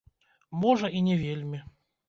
Можа, і не вельмі.